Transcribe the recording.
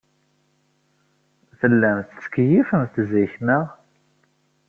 Tellamt tettkeyyifemt zik, naɣ?